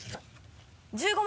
１５万。